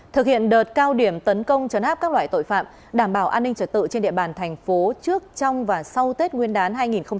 thực hiện đợt cao điểm tấn công chấn áp các loại tội phạm đảm bảo an ninh trật tự trên địa bàn thành phố trước trong và sau tết nguyên đán hai nghìn hai mươi bốn